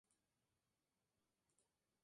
Se encuentra en la cuenca del río Tigris a la Irán.